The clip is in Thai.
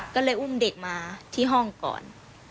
ก็เลยอุ้มเด็กมาที่ห้องก่อน